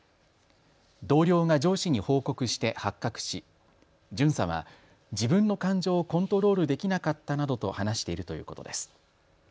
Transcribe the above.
同僚が上司に報告して発覚し巡査は自分の感情をコントロールできなかったなどと話しているということです。